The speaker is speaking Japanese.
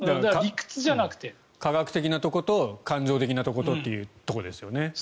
科学的なところと感情的なところとということですよね。